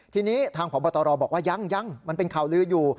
ทีนี้ทางพบตรบอกว่ายังยังมันเป็นข่าวลืออยู่